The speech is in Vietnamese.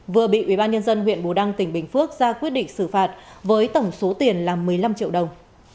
vừa bị ubnd huyện bù đăng tỉnh bình phước ra quyết định xử phạt với tổng số tiền là một mươi năm triệu đồng